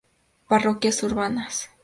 Parroquias urbanas